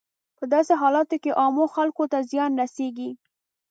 په داسې حالاتو کې عامو خلکو ته زیان رسیږي.